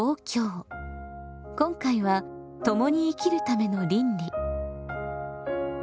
今回は「共に生きるための倫理」。